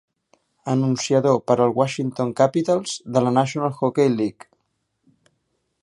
Anunciador per al Washington Capitals de la National Hockey League.